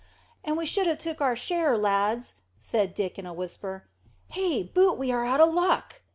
"And we should have took our share, lads," said Dick in a whisper. "Hey, boot we are out o' luck."